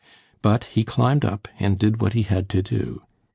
But he climbed up and did what he had to do.